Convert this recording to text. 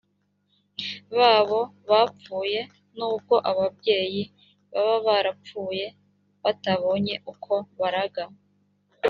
babo bapfuye nubwo ababyeyi baba barapfuye batabonye uko baraga